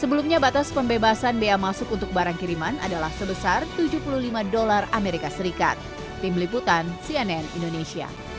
sebelumnya batas pembebasan bea masuk untuk barang kiriman adalah sebesar tujuh puluh lima dolar as